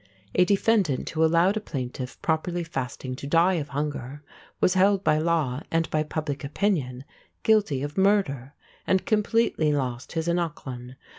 A defendant who allowed a plaintiff properly fasting to die of hunger was held by law and by public opinion guilty of murder, and completely lost his eineachlann.